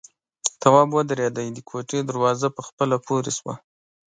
تواب ودرېد، د کوټې دروازه په خپله پورې شوه.